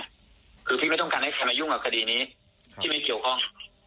คือพี่ไม่ต้องการให้ใครมายุ่งกับคดีนี้ที่ไม่เกี่ยวข้อง